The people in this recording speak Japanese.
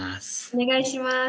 お願いします。